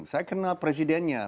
saya kenal presidennya